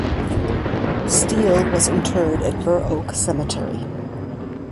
Steele was interred at Burr Oak Cemetery.